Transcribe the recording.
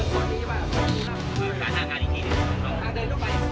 ส่วนที่พวกเราคุณและทุกคนความสุขในเงิน